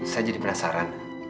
saya jadi penasaran